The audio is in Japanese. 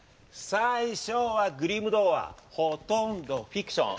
最初はグリム童話ほとんどフィクション。